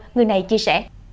người này chia sẻ